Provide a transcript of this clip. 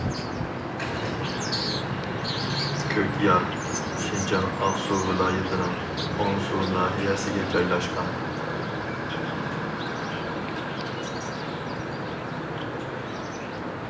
كۆكيار شىنجاڭ ئاقسۇ ۋىلايىتىنىڭ ئونسۇ ناھىيەسىگە جايلاشقان.